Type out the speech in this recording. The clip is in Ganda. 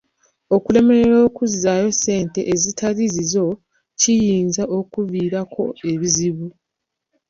Okulemererwa okuzzaayo ssente ezitali zizo kiyinza okkuviirako ebizibu.